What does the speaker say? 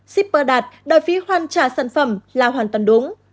zipper đạt đòi phí khoản trả sản phẩm là hoàn toàn đúng